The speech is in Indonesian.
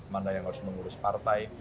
mana yang harus mengurus partai